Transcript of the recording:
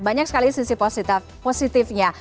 banyak sekali sisi positifnya